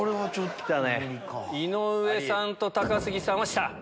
井上さんと高杉さんは下？